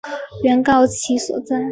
原告其所在！